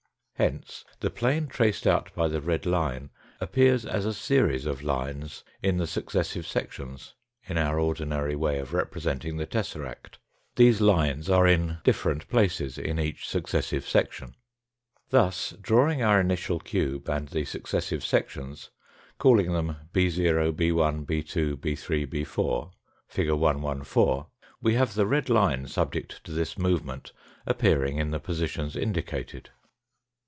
Hence the plane traced out by the red line appears as a series of lines in the successive sections, in our ordinary way of representing the tesseract; these lines are in different places in each successive section. Yello Nufo White ' bo Fig. 114. Thus drawing our initial cube and the successive sections, calling them b , 61, 63? 63, &4, fig 115, we have the red line subject to this movement appearing in the positions indicated.